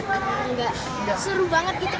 enggak seru banget gitu